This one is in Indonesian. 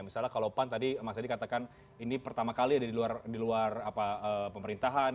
misalnya kalau pan tadi mas edi katakan ini pertama kali ada di luar pemerintahan